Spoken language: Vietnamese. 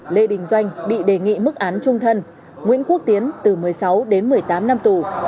lê đình doanh bị đề nghị mức án trung thân nguyễn quốc tiến từ một mươi sáu đến một mươi tám năm tù